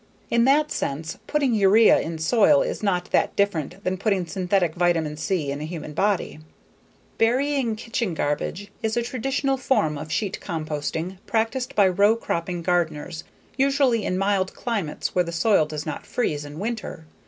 In that sense, putting urea in soil is not that different than putting synthetic vitamin C in a human body Burying kitchen garbage is a traditional form of sheet composting practiced by row cropping gardeners usually in mild climates where the soil does not freeze in winter.